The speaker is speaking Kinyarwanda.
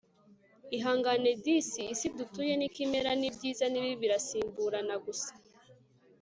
ihangane disi isi dutuye niko imera ibyiza nibibi birasimburana Gusa